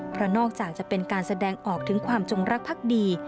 เพราะนอกจากจะเป็นการแสดงออกถึงความจงรักภักดี